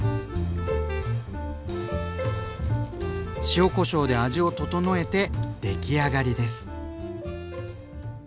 塩こしょうで味を調えて出来上がりです。